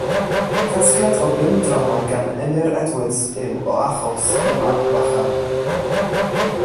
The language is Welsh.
Casgliad o bum drama gan Emyr Edwards yw O Achos y Mab Bychan.